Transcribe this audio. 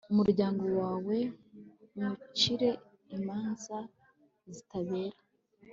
umuryango wawe nywucire imanza zitabera